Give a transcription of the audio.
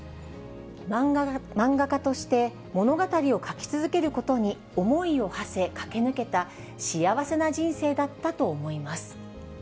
漫画家として物語を描き続けることに思いをはせ駆け抜けた幸せな人生だったと思います。